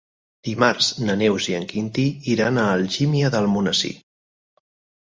Dimarts na Neus i en Quintí iran a Algímia d'Almonesir.